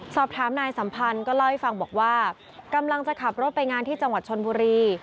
สอบถามนายสัมพันธ์ก็เล่าให้ฟังบอกว่ากำลังจะขับรถไปงานที่จังหวัดชนบุรี